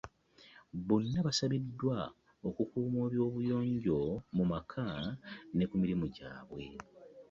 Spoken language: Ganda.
Bonna basabiddwa okukuuma obuyonjo mu maka ne ku mirimu gyabwe.